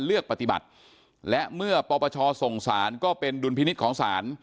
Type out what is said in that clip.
เลือกปฏิบัติและเมื่อปปชส่งสารก็เป็นดุลพินิษฐ์ของศาล